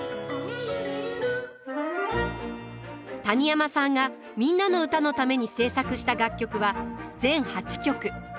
谷山さんが「みんなのうた」のために制作した楽曲は全８曲。